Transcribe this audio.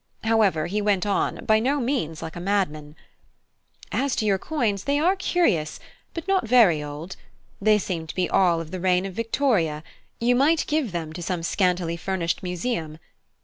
However, he went on by no means like a madman: "As to your coins, they are curious, but not very old; they seem to be all of the reign of Victoria; you might give them to some scantily furnished museum.